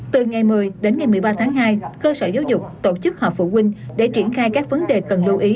từ ngày một mươi đến ngày một mươi ba tháng hai cơ sở giáo dục tổ chức họp phụ huynh để triển khai các vấn đề cần lưu ý